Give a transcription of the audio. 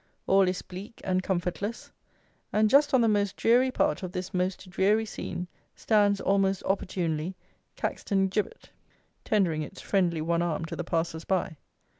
All is bleak and comfortless; and, just on the most dreary part of this most dreary scene, stands almost opportunely, "Caxton Gibbet," tendering its friendly one arm to the passers by.